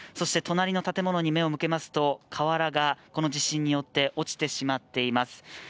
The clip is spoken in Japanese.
隣の建物に目を向けますと、瓦がこの地震によって落ちてしまっています。